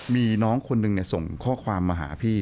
มีน้องคนหนึ่งส่งข้อความมาหาพี่